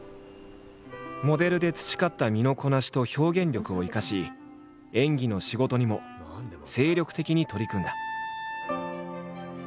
モデルで培った身のこなしと表現力を生かし演技の仕事にも精力的に取り組んだ。